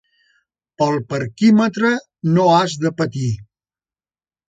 Pel parquímetre no has de patir.